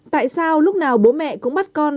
tại sao lúc nào bố mẹ cũng bắt con